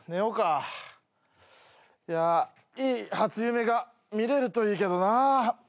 いい初夢が見れるといいけどな。